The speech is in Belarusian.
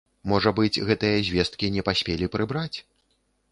Можа быць, гэтыя звесткі не паспелі прыбраць?